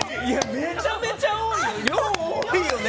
めちゃめちゃ多いよね。